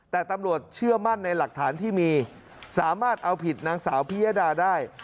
แต่ตำรวจเชื่อมั่นในหลักฐานที่มีสามารถเอาผิดนางสาวพิยดาได้